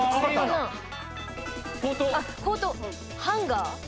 ハンガー？